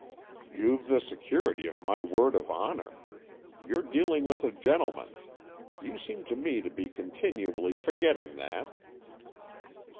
" "You've the security of my word of honour. You're dealing with a gentleman. You seem to me to be continually forgetting that."